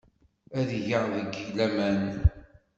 Ad geɣ deg-k laman.